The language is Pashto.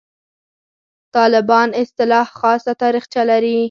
«طالبان» اصطلاح خاصه تاریخچه لري.